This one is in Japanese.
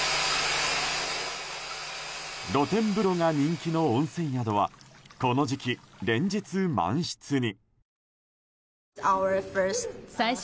露天風呂が人気の温泉宿はこの時期、連日満室に。